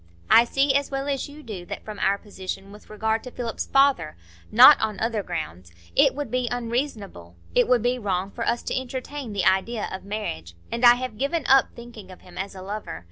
I see as well as you do that from our position with regard to Philip's father—not on other grounds—it would be unreasonable, it would be wrong, for us to entertain the idea of marriage; and I have given up thinking of him as a lover.